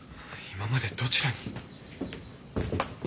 今までどちらに。